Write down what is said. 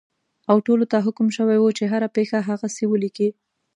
او ټولو ته حکم شوی وو چې هره پېښه هغسې ولیکي.